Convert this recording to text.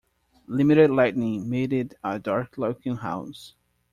Limited lighting made it a dark looking house.